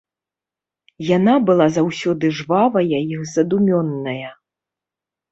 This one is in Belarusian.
Яна была заўсёды жвавая і задумёная.